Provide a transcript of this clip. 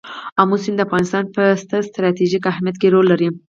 آمو سیند د افغانستان په ستراتیژیک اهمیت کې رول لري.